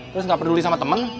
terus gak peduli sama temen